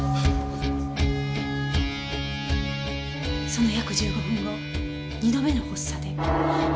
その約１５分後二度目の発作で。